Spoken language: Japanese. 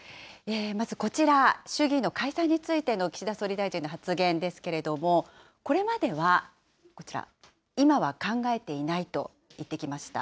まずこちら、衆議院の解散についての岸田総理大臣の発言ですけれども、これまでは、こちら、今は考えていないと言ってきました。